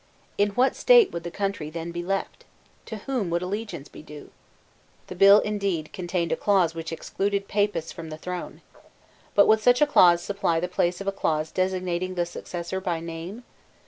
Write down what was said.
In what state would the country then be left? To whom would allegiance be due? The bill indeed contained a clause which excluded Papists from the throne. But would such a clause supply the place of a clause designating the successor by name?